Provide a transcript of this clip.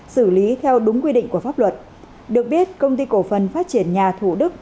xử lý theo đúng quy định của pháp luật được biết công ty cổ phần phát triển nhà thủ đức